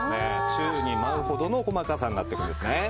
宙に舞うほどの細かさになってるんですね。